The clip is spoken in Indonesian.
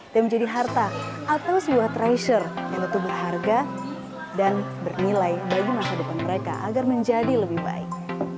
dan menjadi harta atau sebuah treasure yang tentu berharga dan bernilai bagi masa depan mereka agar menjadi lebih baik